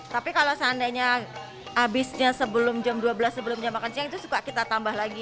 tapi kalau seandainya habisnya sebelum jam dua belas sebelumnya makan siang itu suka kita tambah lagi